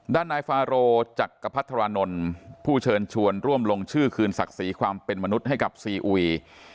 ด้านนายฟาโรจักรพัฒรานนท์ผู้เชิญชวนร่วมลงชื่อคืนศักดิ์ศรีความเป็นมนุษย์ให้กับซีอุย